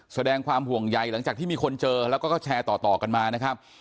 แสดงความห่วงใยหลังจากที่มีคนเจอแล้วก็แชร์ต่อกันมานะครับ